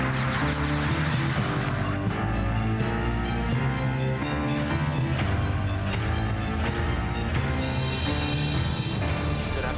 wah ada makanan kak